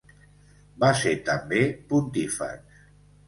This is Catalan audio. Va ser també Pontífex.